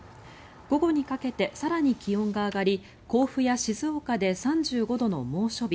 午後にかけて更に気温が上がり甲府や静岡で３５度の猛暑日